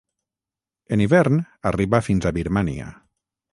En hivern arriba fins a Birmània.